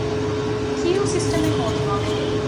ކިޔޫ ސިސްޓަމެއް ހޯދުމާބެހޭ